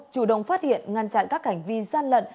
chủ động phát hiện ngăn chặn các hành vi gian lận